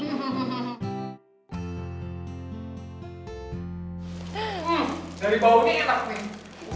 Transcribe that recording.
hmm dari baunya enak nih